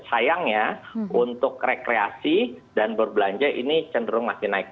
sayangnya untuk rekreasi dan berbelanja ini cenderung masih naik